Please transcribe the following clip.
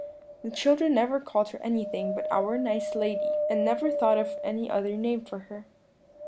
The children never called her anything but 'our nice lady,' and never thought of any other name for her.